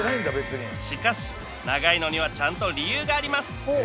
しかし長いのにはちゃんと理由があります